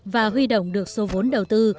và huy động được số vốn đầu tư